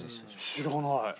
知らない。